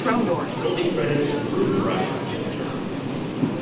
Goldie credits Grooverider with the term.